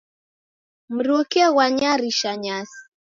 Mruke ghwanyarisha nyasi.